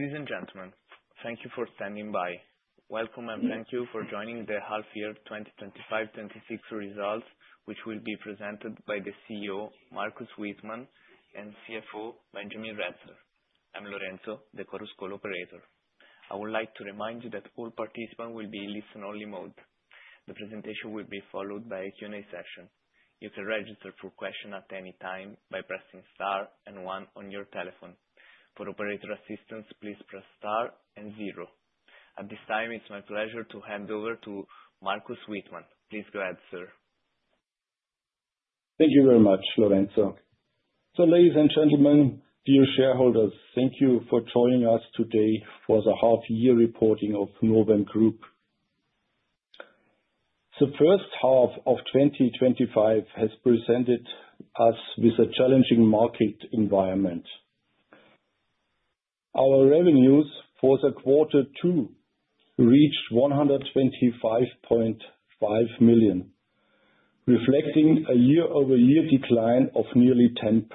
Ladies and gentlemen, thank you for standing by. Welcome, and thank you for joining the half-year 2025, 2026 results, which will be presented by the CEO, Markus Wittmann, and CFO, Benjamin Retzer. I'm Lorenzo, the Chorus Call operator. I would like to remind you that all participants will be in listen-only mode. The presentation will be followed by a Q&A session. You can register for questions at any time by pressing star and one on your telephone. For operator assistance, please press star and zero. At this time, it's my pleasure to hand over to Markus Wittmann. Please go ahead, sir. Thank you very much, Lorenzo. So ladies and gentlemen, dear shareholders, thank you for joining us today for the half-year reporting of Novem Group. The first half of 2025 has presented us with a challenging market environment. Our revenues for quarter two reached 125.5 million, reflecting a year-over-year decline of nearly 10%.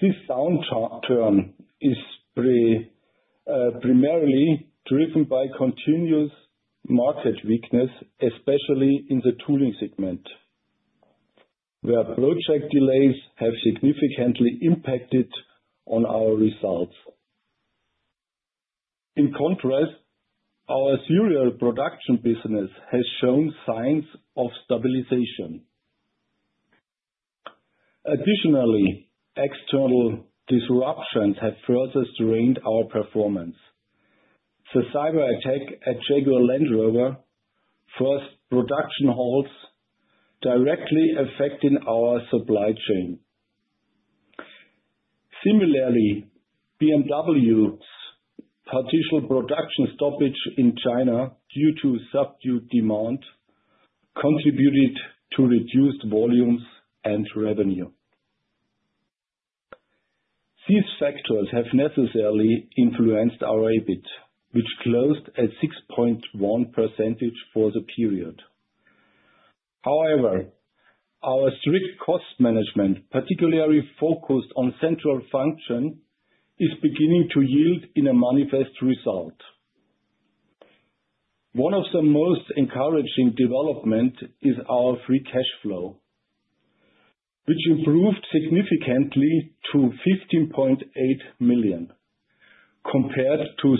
This downturn is primarily driven by continuous market weakness, especially in the tooling segment, where project delays have significantly impacted on our results. In contrast, our serial production business has shown signs of stabilization. Additionally, external disruptions have further strained our performance. The cyberattack at Jaguar Land Rover, first production halts directly affecting our supply chain. Similarly, BMW's partial production stoppage in China due to subdued demand contributed to reduced volumes and revenue. These factors have necessarily influenced our EBIT, which closed at 6.1% for the period. However, our strict cost management, particularly focused on central function, is beginning to yield in a manifest result. One of the most encouraging development is our free cash flow, which improved significantly to 15.8 million, compared to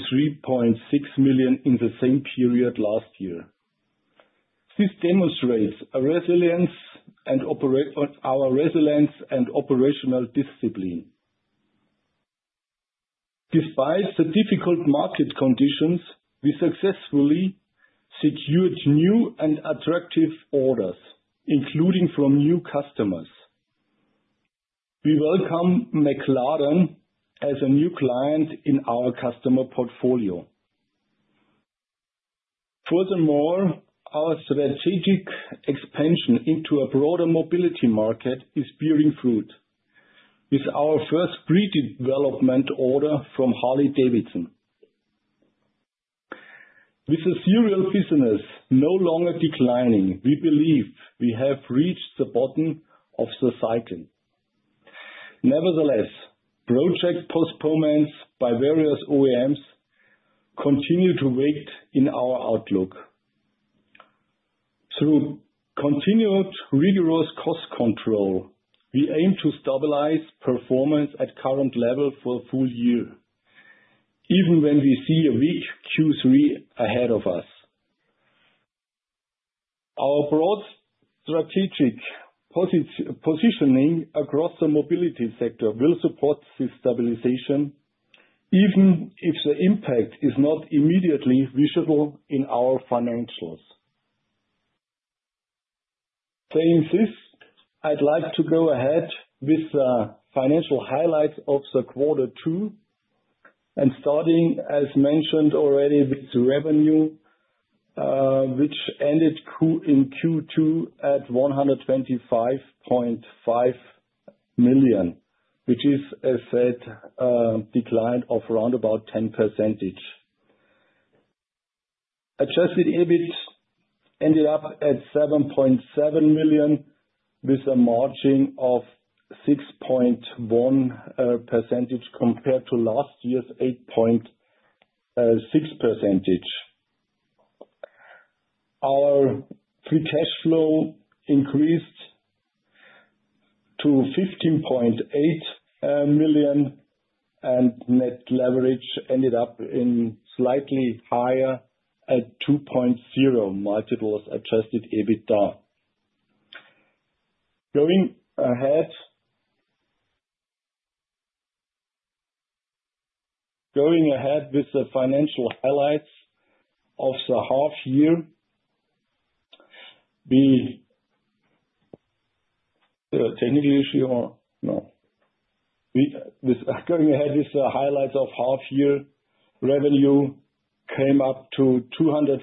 3.6 million in the same period last year. This demonstrates our resilience and operational discipline. Despite the difficult market conditions, we successfully secured new and attractive orders, including from new customers. We welcome McLaren as a new client in our customer portfolio. Furthermore, our strategic expansion into a broader mobility market is bearing fruit, with our first pre-development order from Harley-Davidson. With the serial business no longer declining, we believe we have reached the bottom of the cycle. Nevertheless, project postponements by various OEMs continue to weigh in our outlook. Through continued rigorous cost control, we aim to stabilize performance at current level for a full year, even when we see a weak Q3 ahead of us. Our broad strategic positioning across the mobility sector will support this stabilization, even if the impact is not immediately visible in our financials. Saying this, I'd like to go ahead with financial highlights of the quarter two, and starting, as mentioned already, with the revenue, which ended in Q2 at 125.5 million, which is as said a decline of around about 10%. Adjusted EBIT ended up at 7.7 million, with a margin of 6.1%, compared to last year's 8.6%. Our free cash flow increased to 15.8 million, and net leverage ended up slightly higher at 2.0x adjusted EBITDA. Going ahead with the financial highlights of the half year, technical issue or no? With going ahead with the highlights of half year, revenue came up to 254.5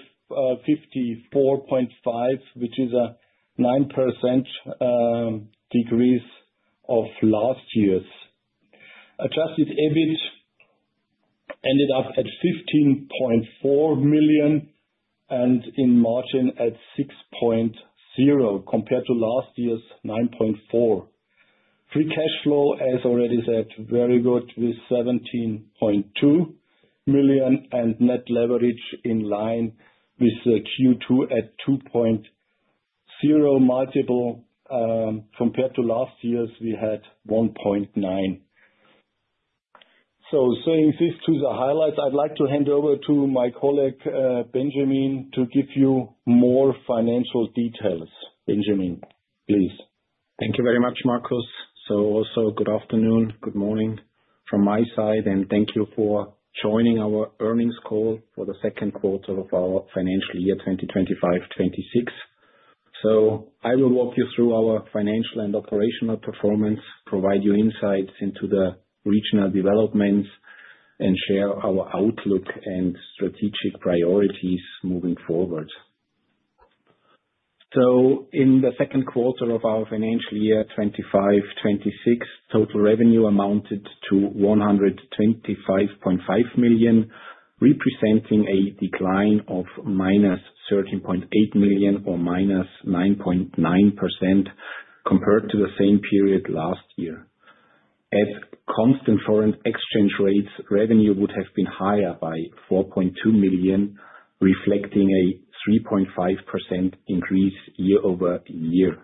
million, which is a 9% decrease of last year's. Adjusted EBIT ended up at 15.4 million, and the margin at 6.0%, compared to last year's 9.4%. Free cash flow, as already said, very good, with 17.2 million, and net leverage in line with Q2 at 2.0x, compared to last year's, we had 1.9. So saying this to the highlights, I'd like to hand over to my colleague, Benjamin, to give you more financial details. Benjamin, please. Thank you very much, Markus. So also, good afternoon, good morning from my side, and thank you for joining our earnings call for the second quarter of our financial year, 2025-2026. So I will walk you through our financial and operational performance, provide you insights into the regional developments, and share our outlook and strategic priorities moving forward. So in the second quarter of our financial year, 2025-2026, total revenue amounted to 125.5 million, representing a decline of -13.8 million, or -9.9%, compared to the same period last year. At constant foreign exchange rates, revenue would have been higher by 4.2 million, reflecting a 3.5% increase year-over-year.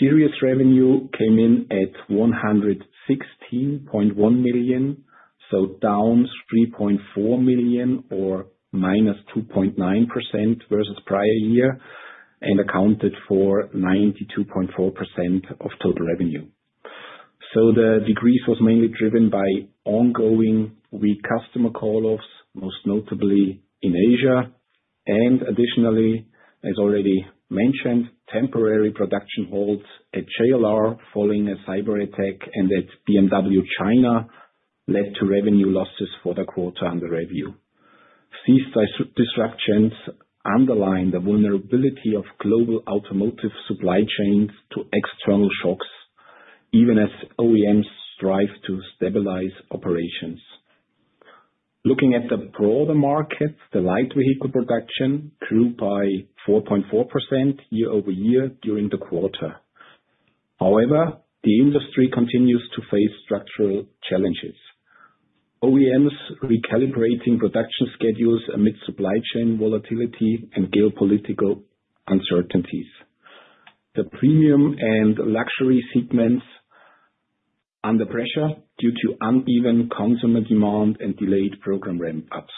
Sales revenue came in at 116.1 million, so down 3.4 million, or -2.9% versus prior year, and accounted for 92.4% of total revenue. The decrease was mainly driven by ongoing weak customer call-offs, most notably in Asia, and additionally, as already mentioned, temporary production holds at JLR following a cyberattack and at BMW China, led to revenue losses for the quarter under review. These disruptions underline the vulnerability of global automotive supply chains to external shocks, even as OEMs strive to stabilize operations. Looking at the broader market, the light vehicle production grew by 4.4% year-over-year during the quarter. However, the industry continues to face structural challenges. OEMs recalibrating production schedules amid supply chain volatility and geopolitical uncertainties. The premium and luxury segments under pressure due to uneven consumer demand and delayed program ramp-ups,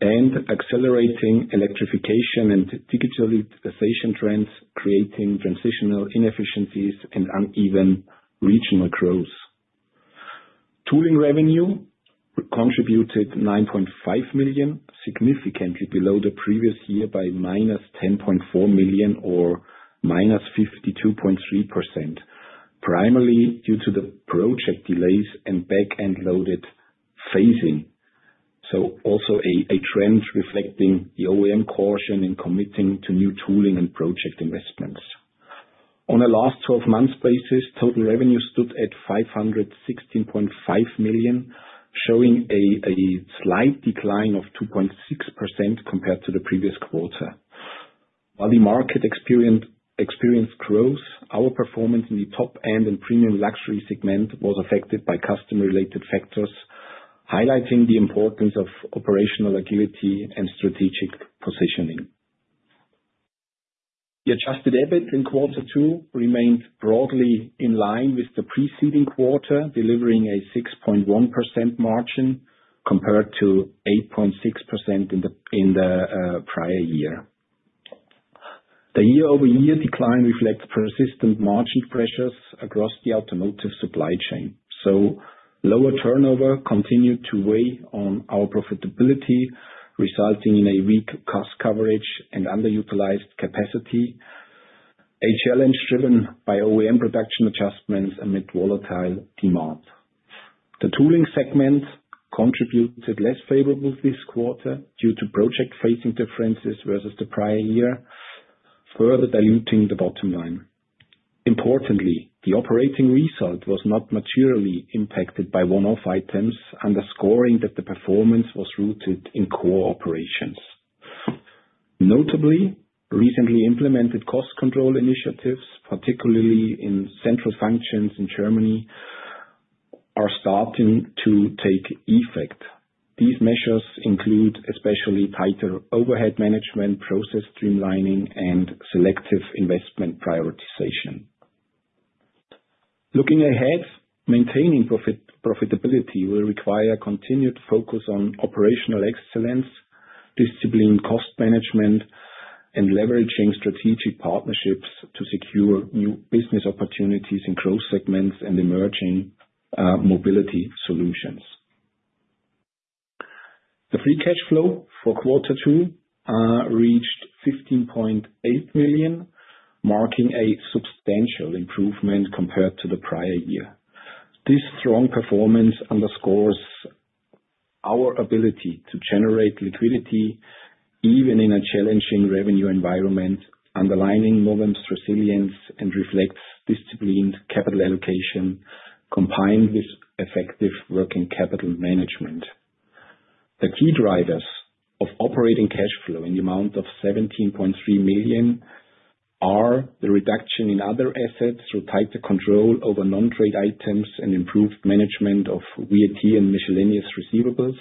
and accelerating electrification and digitalization trends, creating transitional inefficiencies and uneven regional growth. Tooling revenue contributed 9.5 million, significantly below the previous year by -10.4 million, or -52.3%, primarily due to the project delays and back-end loaded phasing. So also a trend reflecting the OEM caution in committing to new tooling and project investments. On a last 12 months basis, total revenue stood at 516.5 million, showing a slight decline of 2.6% compared to the previous quarter. While the market experienced growth, our performance in the top end and premium luxury segment was affected by customer-related factors, highlighting the importance of operational agility and strategic positioning. The adjusted EBIT in quarter two remained broadly in line with the preceding quarter, delivering a 6.1% margin, compared to 8.6% in the prior year. The year-over-year decline reflects persistent margin pressures across the automotive supply chain. So lower turnover continued to weigh on our profitability, resulting in a weak cost coverage and underutilized capacity, a challenge driven by OEM production adjustments amid volatile demand. The tooling segment contributed less favorably this quarter due to project phasing differences versus the prior year, further diluting the bottom line. Importantly, the operating result was not materially impacted by one-off items, underscoring that the performance was rooted in core operations. Notably, recently implemented cost control initiatives, particularly in central functions in Germany, are starting to take effect. These measures include especially tighter overhead management, process streamlining, and selective investment prioritization. Looking ahead, maintaining profitability will require continued focus on operational excellence, disciplined cost management, and leveraging strategic partnerships to secure new business opportunities in growth segments and emerging mobility solutions. The free cash flow for quarter two reached 15.8 million, marking a substantial improvement compared to the prior year. This strong performance underscores our ability to generate liquidity even in a challenging revenue environment, underlining Novem's resilience and reflects disciplined capital allocation, combined with effective working capital management. The key drivers of operating cash flow in the amount of 17.3 million are the reduction in other assets through tighter control over non-trade items and improved management of VAT and miscellaneous receivables.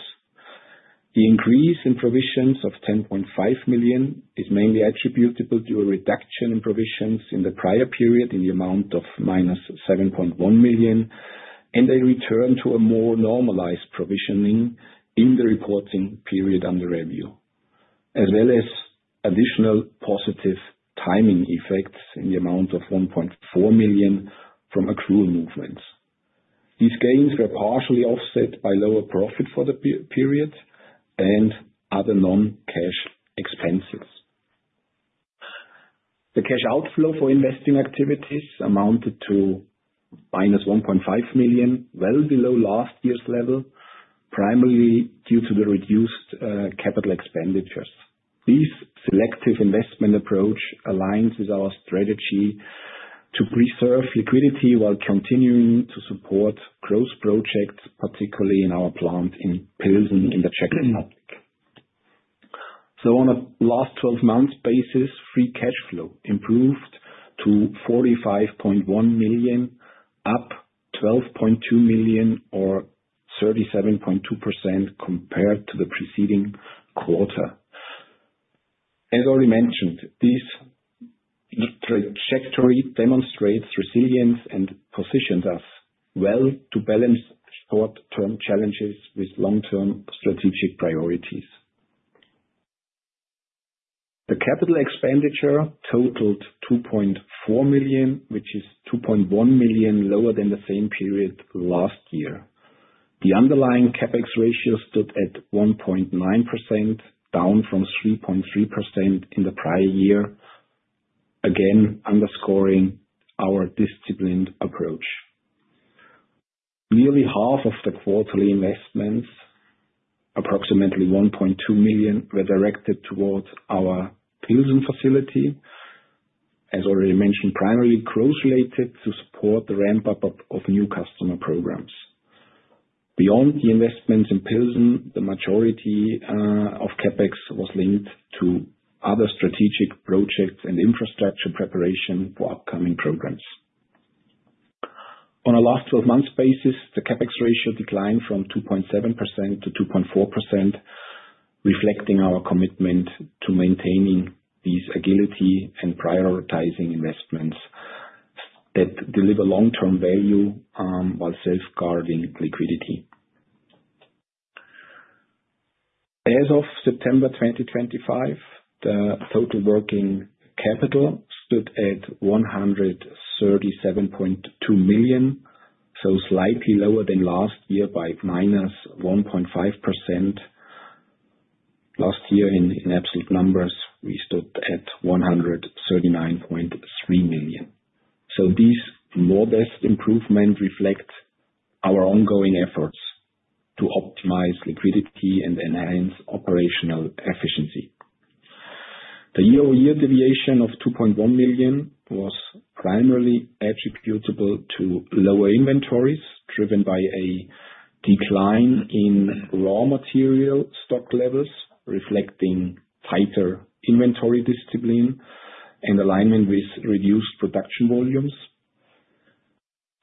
The increase in provisions of 10.5 million is mainly attributable to a reduction in provisions in the prior period, in the amount of -7.1 million, and a return to a more normalized provisioning in the reporting period under review, as well as additional positive timing effects in the amount of 1.4 million from accrual movements. These gains were partially offset by lower profit for the prior period and other non-cash expenses. The cash outflow for investing activities amounted to -1.5 million, well below last year's level, primarily due to the reduced capital expenditures. This selective investment approach aligns with our strategy to preserve liquidity while continuing to support growth projects, particularly in our plant in Plzeň, in the Czech Republic. So on a last twelve months basis, free cash flow improved to 45.1 million, up 12.2 million, or 37.2% compared to the preceding quarter. As already mentioned, this trajectory demonstrates resilience and positions us well to balance short-term challenges with long-term strategic priorities. The capital expenditure totaled 2.4 million, which is 2.1 million lower than the same period last year. The underlying CapEx ratio stood at 1.9%, down from 3.3% in the prior year, again, underscoring our disciplined approach. Nearly half of the quarterly investments, approximately 1.2 million, were directed towards our Plzeň facility. As already mentioned, primarily growth related to support the ramp-up of new customer programs. Beyond the investments in Plzeň, the majority of CapEx was linked to other strategic projects and infrastructure preparation for upcoming programs. On a last twelve months basis, the CapEx ratio declined from 2.7%-2.4%, reflecting our commitment to maintaining this agility and prioritizing investments that deliver long-term value, while safeguarding liquidity. As of September 2025, the total working capital stood at 137.2 million, so slightly lower than last year by -1.5%. Last year, in absolute numbers, we stood at 139.3 million. So this modest improvement reflects our ongoing efforts to optimize liquidity and enhance operational efficiency. The year-over-year deviation of 2.1 million was primarily attributable to lower inventories, driven by a decline in raw material stock levels, reflecting tighter inventory discipline and alignment with reduced production volumes.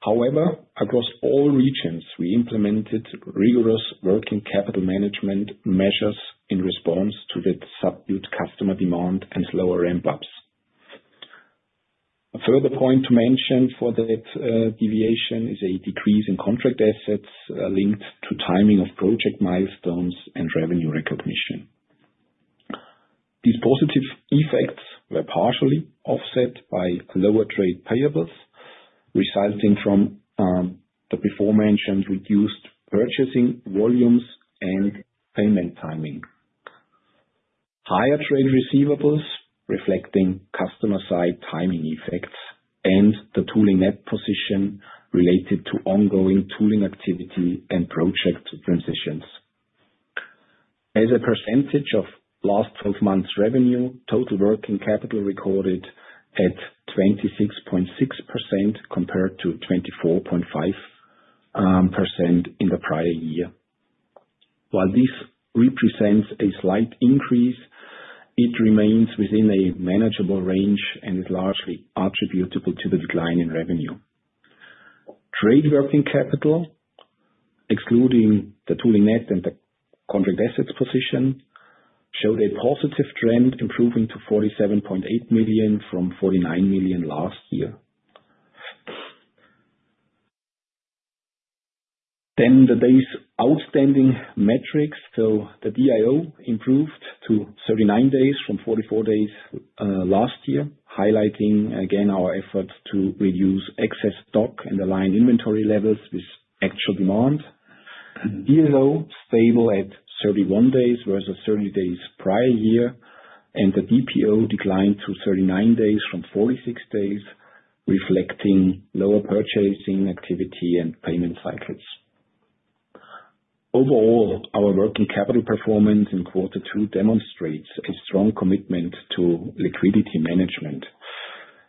However, across all regions, we implemented rigorous working capital management measures in response to the subdued customer demand and slower ramp-ups. A further point to mention for that deviation is a decrease in contract assets linked to timing of project milestones and revenue recognition. These positive effects were partially offset by lower trade payables, resulting from the beforementioned reduced purchasing volumes and payment timing. Higher trade receivables, reflecting customer-side timing effects and the tooling net position related to ongoing tooling activity and project transitions. As a percentage of last 12 months revenue, total working capital recorded at 26.6%, compared to 24.5% in the prior year. While this represents a slight increase, it remains within a manageable range and is largely attributable to the decline in revenue. Trade working capital, excluding the tooling net and the contract assets position, showed a positive trend, improving to 47.8 million from 49 million last year. Then the days outstanding metrics. So the DIO improved to 39 days from 44 days last year, highlighting again our efforts to reduce excess stock and align inventory levels with actual demand. DLO, stable at 31 days versus 30 days prior year, and the DPO declined to 39 days from 46 days, reflecting lower purchasing activity and payment cycles. Overall, our working capital performance in quarter two demonstrates a strong commitment to liquidity management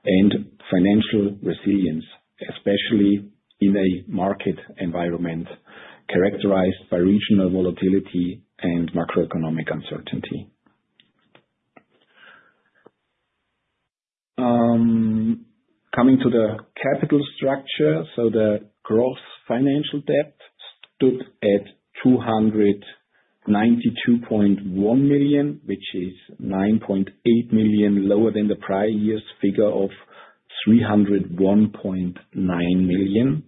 and financial resilience, especially in a market environment characterized by regional volatility and macroeconomic uncertainty. Coming to the capital structure, so the gross financial debt stood at 292.1 million, which is 9.8 million lower than the prior year's figure of 301.9 million.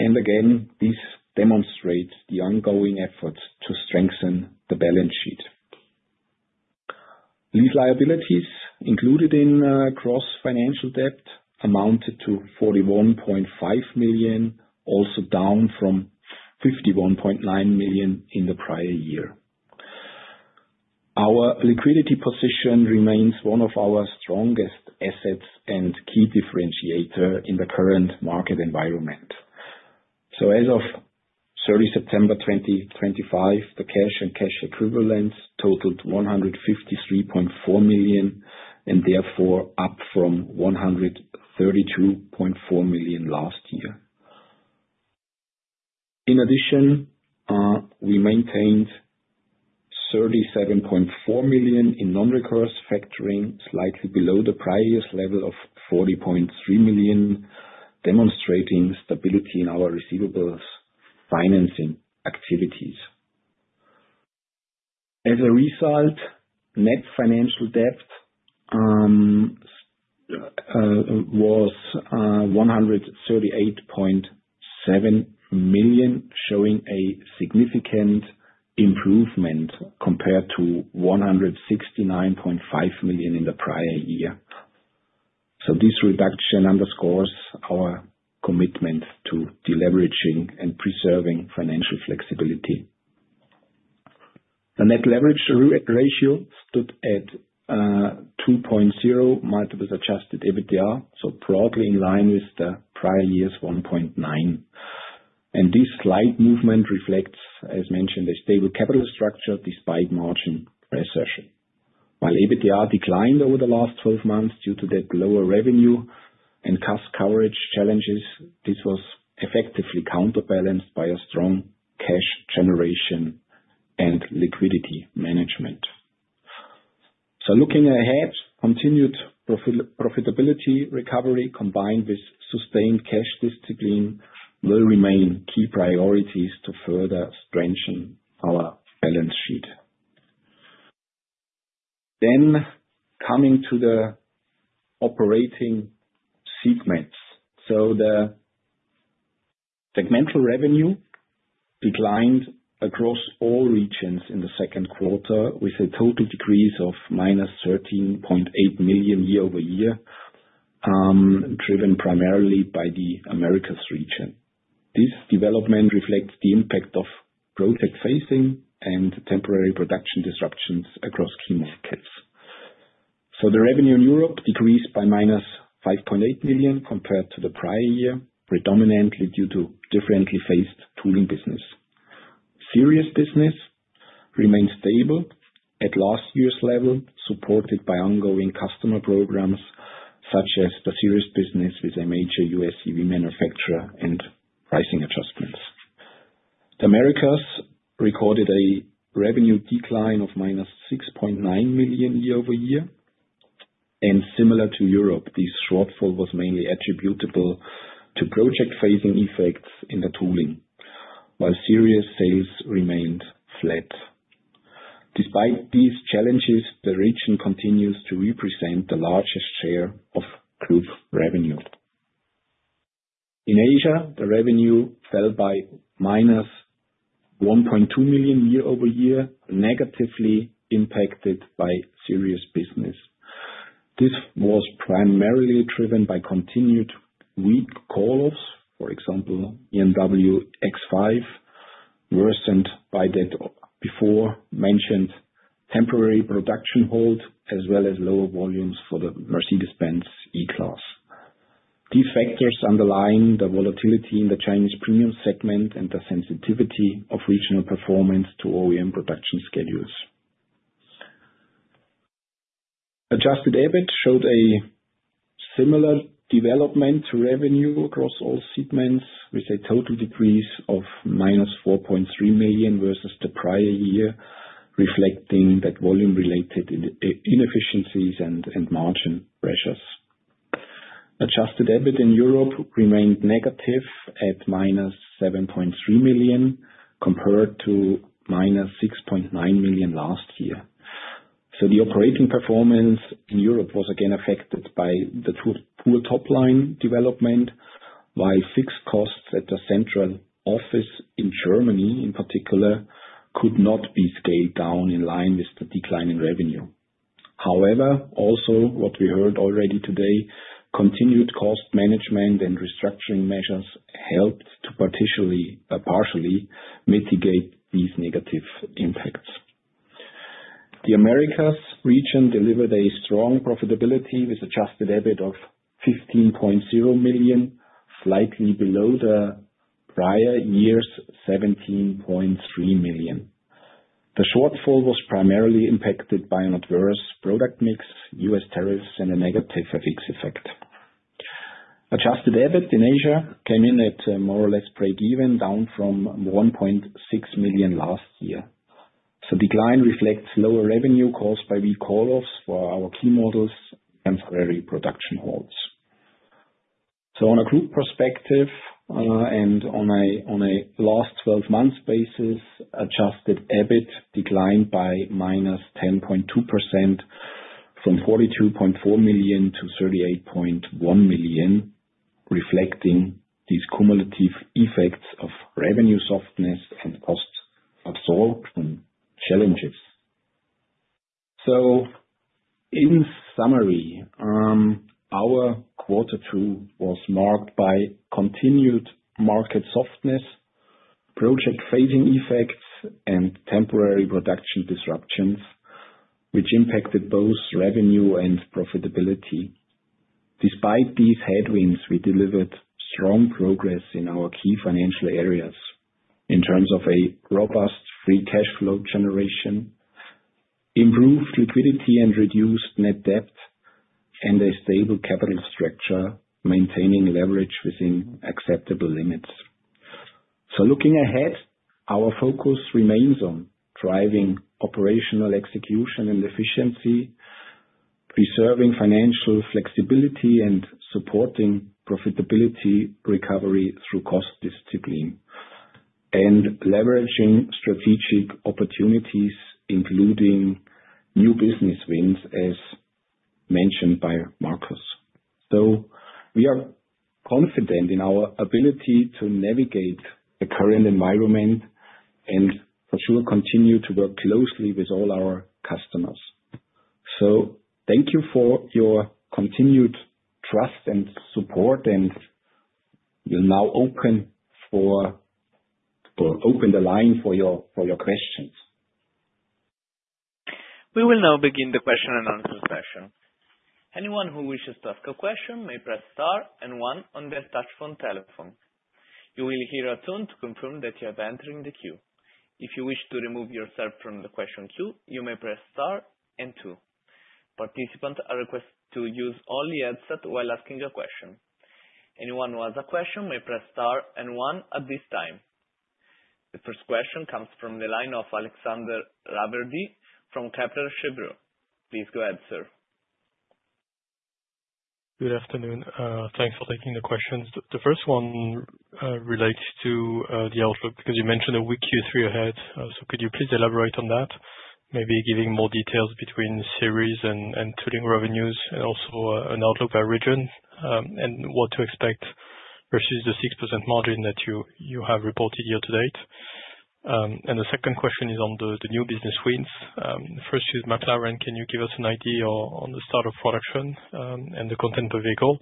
And again, this demonstrates the ongoing efforts to strengthen the balance sheet. These liabilities, included in gross financial debt, amounted to 41.5 million, also down from 51.9 million in the prior year. Our liquidity position remains one of our strongest assets and key differentiator in the current market environment. So as of 30 September 2025, the cash and cash equivalents totaled 153.4 million, and therefore, up from 132.4 million last year. In addition, we maintained 37.4 million in non-recourse factoring, slightly below the prior year's level of 40.3 million, demonstrating stability in our receivables financing activities. As a result, net financial debt was 138.7 million, showing a significant improvement compared to 169.5 million in the prior year. So this reduction underscores our commitment to deleveraging and preserving financial flexibility. The net leverage ratio stood at 2.0x adjusted EBITDA, so broadly in line with the prior year's 1.9. And this slight movement reflects, as mentioned, a stable capital structure despite margin pressure. While EBITDA declined over the last 12 months due to that lower revenue and cost coverage challenges, this was effectively counterbalanced by a strong cash generation and liquidity management. So looking ahead, continued profitability recovery, combined with sustained cash discipline, will remain key priorities to further strengthen our balance sheet. Then, coming to the operating segments. So the segmental revenue declined across all regions in the second quarter, with a total decrease of -13.8 million year-over-year, driven primarily by the Americas region. This development reflects the impact of project phasing and temporary production disruptions across key markets. So the revenue in Europe decreased by -5.8 million compared to the prior year, predominantly due to differently phased tooling business. Series business remained stable at last year's level, supported by ongoing customer programs, such as the Series business with a major U.S. EV manufacturer and pricing adjustments. The Americas recorded a revenue decline of -6.9 million year-over-year, and similar to Europe, this shortfall was mainly attributable to project phasing effects in the tooling, while series sales remained flat. Despite these challenges, the region continues to represent the largest share of group revenue. In Asia, the revenue fell by -1.2 million year-over-year, negatively impacted by series business. This was primarily driven by continued weak call-offs, for example, BMW X5, worsened by the aforementioned temporary production hold, as well as lower volumes for the Mercedes-Benz E-Class. These factors underlying the volatility in the Chinese premium segment and the sensitivity of regional performance to OEM production schedules. Adjusted EBIT showed a similar development to revenue across all segments, with a total decrease of -4.3 million versus the prior year, reflecting that volume-related inefficiencies and margin pressures. Adjusted EBIT in Europe remained negative at -7.3 million, compared to -6.9 million last year. So the operating performance in Europe was again affected by the poor, poor top line development, while fixed costs at the central office in Germany, in particular, could not be scaled down in line with the decline in revenue. However, also what we heard already today, continued cost management and restructuring measures helped to partially, partially mitigate these negative impacts. The Americas region delivered a strong profitability with adjusted EBIT of 15.0 million, slightly below the prior year's 17.3 million. The shortfall was primarily impacted by an adverse product mix, U.S. tariffs, and a negative FX effect. Adjusted EBIT in Asia came in at, more or less breakeven, down from 1.6 million last year. Decline reflects lower revenue caused by recalls for our key models and temporary production holds. On a group perspective, and on a last twelve months basis, adjusted EBIT declined by -10.2%, from 42.4 million-38.1 million, reflecting these cumulative effects of revenue softness and cost absorbed and challenges. In summary, our quarter two was marked by continued market softness, project phasing effects, and temporary production disruptions, which impacted both revenue and profitability. Despite these headwinds, we delivered strong progress in our key financial areas in terms of a robust free cash flow generation, improved liquidity and reduced net debt, and a stable capital structure, maintaining leverage within acceptable limits. Looking ahead, our focus remains on driving operational execution and efficiency, preserving financial flexibility, and supporting profitability recovery through cost discipline. Leveraging strategic opportunities, including new business wins, as mentioned by Markus. So we are confident in our ability to navigate the current environment and for sure continue to work closely with all our customers. So thank you for your continued trust and support, and we'll now open the line for your questions. We will now begin the question and answer session. Anyone who wishes to ask a question may press star and one on their touch tone telephone. You will hear a tone to confirm that you are entering the queue. If you wish to remove yourself from the question queue, you may press star and two. Participants are requested to use only headset while asking a question. Anyone who has a question may press star and one at this time. The first question comes from the line of Alexandre Raverdy from Kepler Cheuvreux. Please go ahead, sir. Good afternoon. Thanks for taking the questions. The first one relates to the outlook, because you mentioned a weak Q3 ahead. So could you please elaborate on that, maybe giving more details between series and tooling revenues and also an outlook by region, and what to expect versus the 6% margin that you have reported year to date? And the second question is on the new business wins. First, with McLaren, can you give us an idea on the start of production, and the content of vehicle?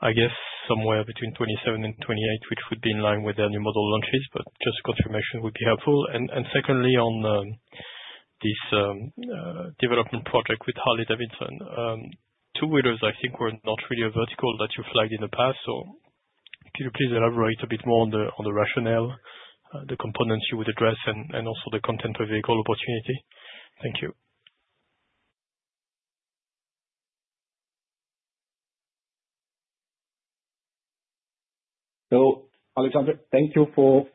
I guess somewhere between 2027 and 2028, which would be in line with their new model launches, but just confirmation would be helpful. And secondly, on this development project with Harley-Davidson. Two-wheelers, I think, were not really a vertical that you flagged in the past, so could you please elaborate a bit more on the rationale, the components you would address and also the content of vehicle opportunity? Thank you. So Alexandre, thank you for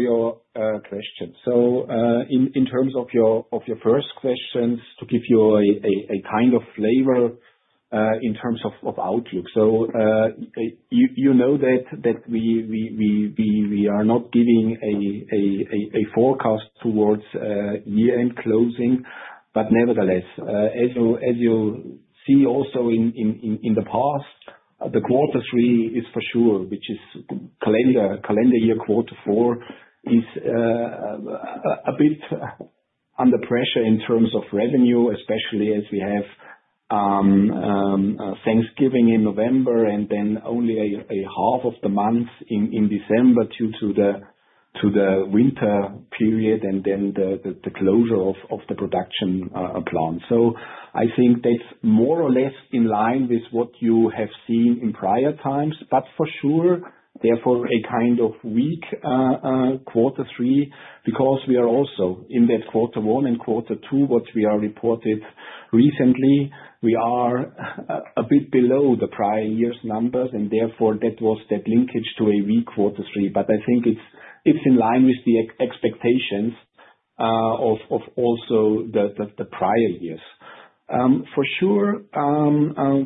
your question. So, in terms of your first questions, to give you a kind of flavor, in terms of outlook. So, you know that we are not giving a forecast towards year-end closing. But nevertheless, as you see also in the past, the quarter three is for sure, which is calendar year quarter four, a bit under pressure in terms of revenue, especially as we have Thanksgiving in November, and then only a half of the month in December due to the winter period and then the closure of the production plant. So I think that's more or less in line with what you have seen in prior times. But for sure, therefore, a kind of weak quarter three, because we are also in that quarter one and quarter two, what we are reported recently, we are a bit below the prior year's numbers, and therefore that was that linkage to a weak quarter three. But I think it's in line with the expectations of also the prior years. For sure,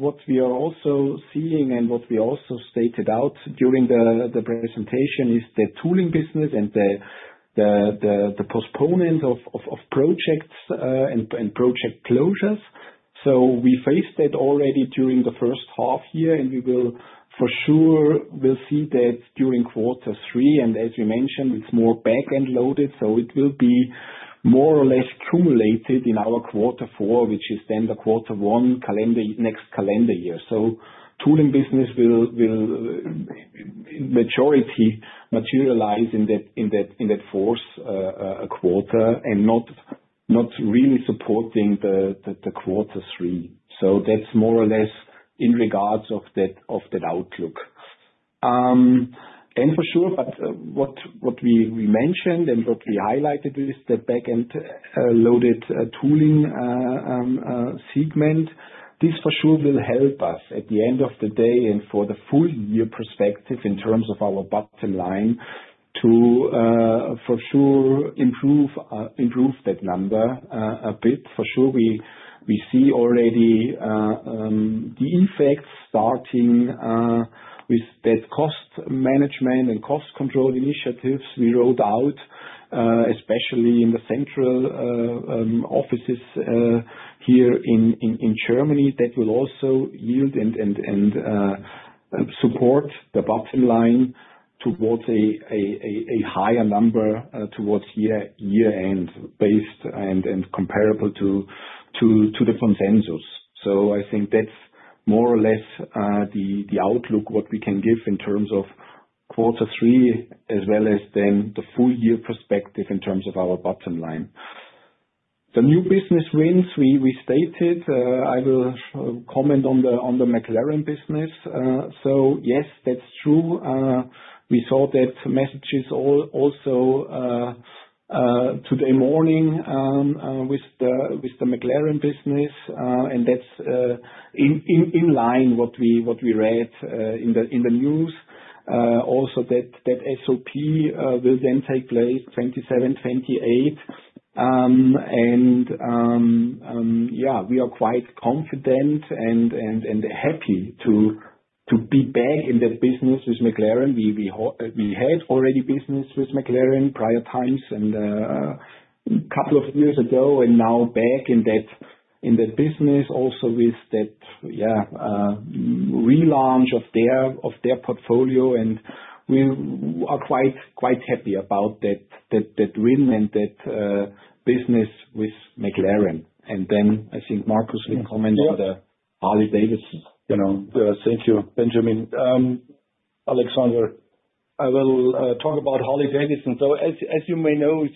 what we are also seeing and what we also stated out during the presentation is the tooling business and the postponement of projects and project closures. So we faced that already during the first half year, and we will for sure see that during quarter three, and as we mentioned, it's more back-end loaded, so it will be more or less cumulated in our quarter four, which is then the quarter one next calendar year. So tooling business will majority materialize in that fourth quarter, and not really supporting the quarter three. So that's more or less in regards of that outlook. And for sure, what we mentioned and what we highlighted is the back-end loaded tooling segment. This for sure will help us at the end of the day, and for the full year perspective in terms of our bottom line, to for sure improve that number a bit. For sure we see already the effects starting with that cost management and cost control initiatives we rolled out, especially in the central offices here in Germany, that will also yield and support the bottom line towards a higher number towards year end, based and comparable to the consensus. So I think that's more or less the outlook what we can give in terms of quarter three, as well as then the full year perspective in terms of our bottom line. The new business wins, we stated, I will comment on the McLaren business. So yes, that's true. We saw that messages also today morning with the McLaren business, and that's in line with what we read in the news. Also that SOP will then take place 2027-2028. And yeah, we are quite confident and happy to be back in that business with McLaren. We had already business with McLaren prior times, and couple of years ago, and now back in that business also with that relaunch of their portfolio, and we are quite happy about that win and that business with McLaren. Then I think Markus will comment on the Harley-Davidson, you know. Thank you, Benjamin. Alexandre, I will talk about Harley-Davidson. So as you may know,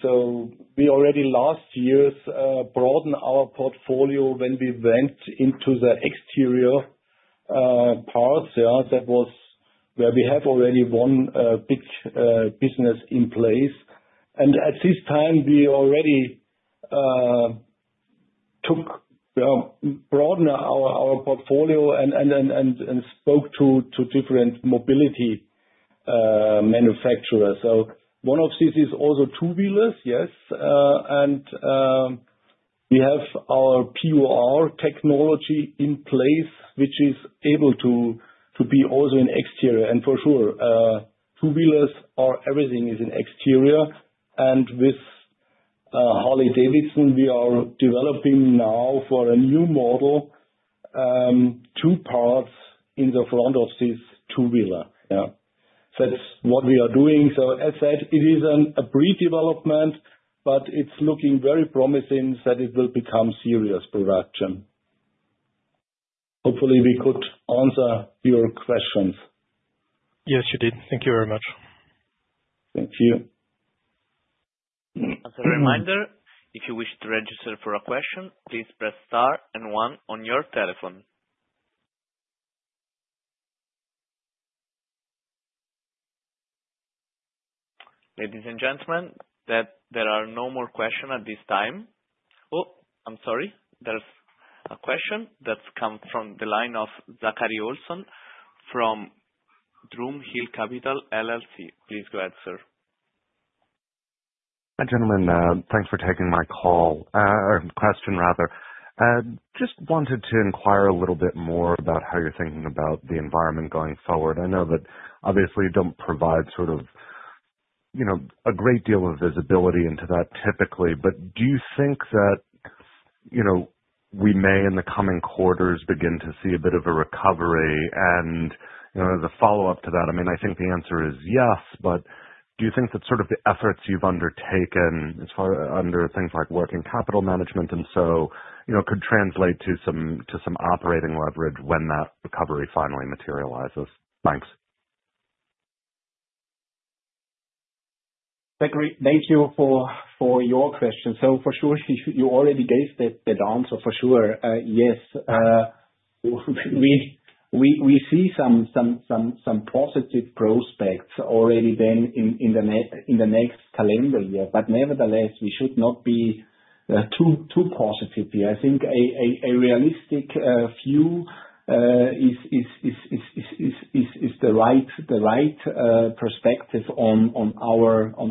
we already last years broadened our portfolio when we went into the exterior parts. Yeah, that was where we have already one big business in place. And at this time, we already broadened our portfolio and spoke to different mobility manufacturers. So one of this is also two-wheelers. Yes, and we have our PUR technology in place, which is able to be also in exterior. And for sure, two-wheelers are everything is in exterior. And with Harley-Davidson, we are developing now for a new model two parts in the front of this two-wheeler. Yeah. That's what we are doing. As said, it is a pre-development, but it's looking very promising that it will become serious production. Hopefully, we could answer your questions. Yes, you did. Thank you very much. Thank you. As a reminder, if you wish to register for a question, please press star and one on your telephone. Ladies and gentlemen, that there are no more question at this time. Oh, I'm sorry. There's a question that's come from the line of Zachary Olson, from Drum Hill Capital LLC. Please go ahead, sir. Hi, gentlemen. Thanks for taking my call, or question rather. Just wanted to inquire a little bit more about how you're thinking about the environment going forward. I know that obviously you don't provide sort of, you know, a great deal of visibility into that typically. But do you think that, you know, we may, in the coming quarters, begin to see a bit of a recovery? And, you know, as a follow-up to that, I mean, I think the answer is yes, but do you think that sort of the efforts you've undertaken as far, under things like working capital management, and so, you know, could translate to some operating leverage when that recovery finally materializes? Thanks. Zachary, thank you for your question. So for sure, you already guessed the answer for sure. Yes, we see some positive prospects already then in the next calendar year. But nevertheless, we should not be too positive here. I think a realistic view is the right perspective on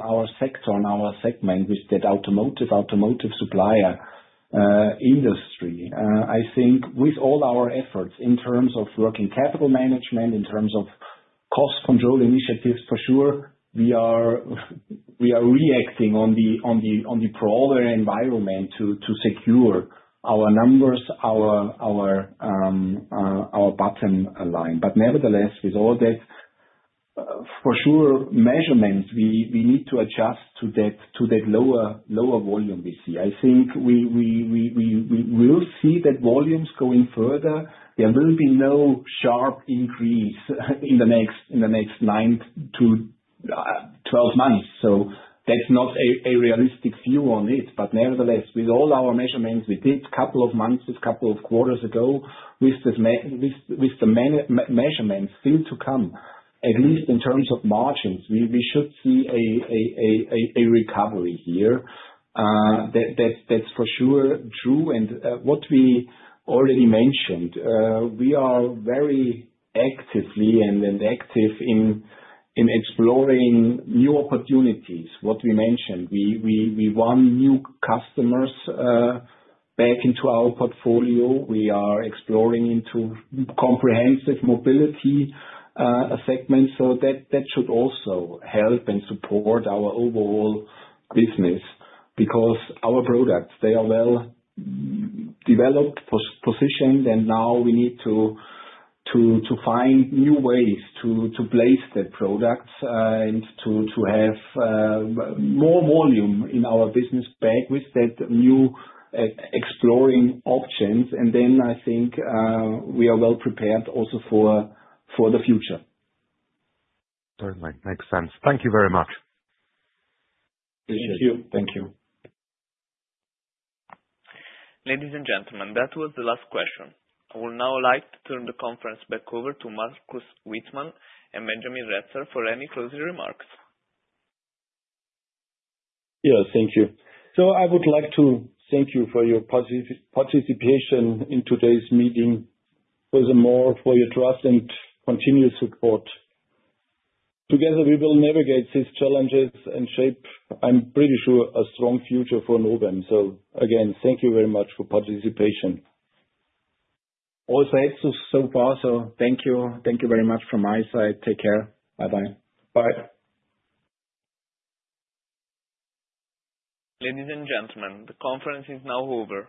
our sector, our segment, which is the automotive supplier industry. I think with all our efforts in terms of working capital management, in terms of cost control initiatives, for sure, we are reacting on the broader environment to secure our numbers, our bottom line. But nevertheless, with all that, for sure, measurements, we need to adjust to that lower volume we see. I think we will see that volumes going further. There will be no sharp increase in the next 9 months-12 months, so that's not a realistic view on it. But nevertheless, with all our measurements we did couple of months, couple of quarters ago, with the measurements still to come, at least in terms of margins, we should see a recovery here. That's for sure true, and what we already mentioned, we are very actively and active in exploring new opportunities. What we mentioned, we won new customers back into our portfolio. We are exploring into comprehensive mobility segment, so that should also help and support our overall business, because our products, they are well developed, positioned, and now we need to find new ways to place the products, and to have more volume in our business back with that new exploring options. And then I think we are well prepared also for the future. All right. Makes sense. Thank you very much. Thank you. Thank you. Ladies and gentlemen, that was the last question. I would now like to turn the conference back over to Markus Wittmann and Benjamin Retzer for any closing remarks. Yeah, thank you. So I would like to thank you for your positive participation in today's meeting. Furthermore, for your trust and continuous support. Together, we will navigate these challenges and shape, I'm pretty sure, a strong future for Novem. So again, thank you very much for participation. Also, it's so far, so thank you. Thank you very much from my side. Take care. Bye-bye. Bye. Ladies and gentlemen, the conference is now over.